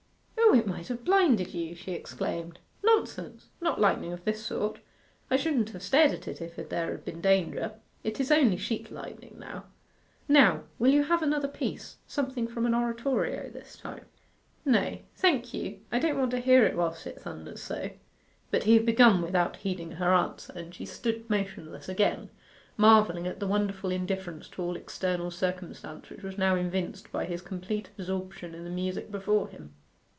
'O, it might have blinded you!' she exclaimed. 'Nonsense not lightning of this sort I shouldn't have stared at it if there had been danger. It is only sheet lightning now. Now, will you have another piece? Something from an oratorio this time?' 'No, thank you I don't want to hear it whilst it thunders so.' But he had begun without heeding her answer, and she stood motionless again, marvelling at the wonderful indifference to all external circumstance which was now evinced by his complete absorption in the music before him.